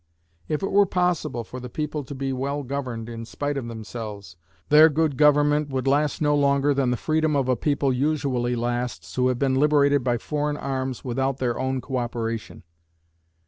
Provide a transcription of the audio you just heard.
If it were possible for the people to be well governed in spite of themselves, their good government would last no longer than the freedom of a people usually lasts who have been liberated by foreign arms without their own co operation.